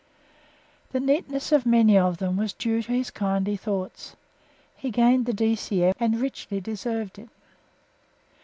The neatness of many of them was due to his kindly thought. He gained the D.C.M., and richly deserved it.